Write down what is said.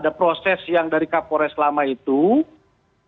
kapolres yang baru akbp yogi ini mengemban kurang lebih di bulan